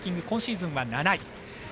今シーズンは７位。